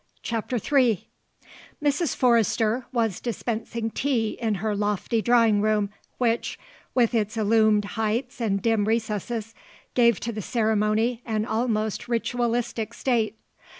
CHAPTER III Mrs. Forrester was dispensing tea in her lofty drawing room which, with its illumined heights and dim recesses, gave to the ceremony an almost ritualistic state.